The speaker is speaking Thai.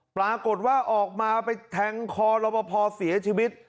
ปรากฏว่าออกมาไปแทงคอรบพอเสียชีวิต